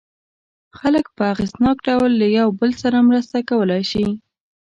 خلک په اغېزناک ډول له یو بل سره مرسته کولای شي.